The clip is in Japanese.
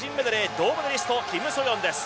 銅メダリストのキム・ソヨンです。